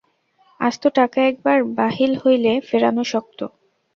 আস্ত টাকা একবার বাহিল হইলে ফেরানো শক্ত।